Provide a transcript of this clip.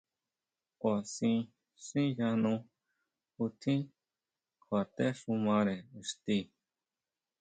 Kʼuasin xiyano ju tjín kjuatéxumare ixti.